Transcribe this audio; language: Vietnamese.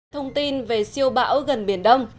thông tin về siêu bão gần biển đông